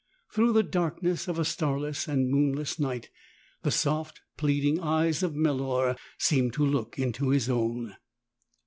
Through the darkness of a starless and a moonless night the soft, pleading eyes of Melor seemed to look into his own.